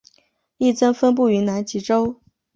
亦曾分布于南极洲。